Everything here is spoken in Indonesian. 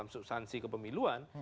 dan persoalan subsansi kepemiluan